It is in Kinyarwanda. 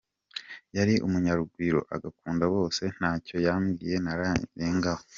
Yari umunyarugwiro, agakunda bose, ntacyo yambwiye narengaho.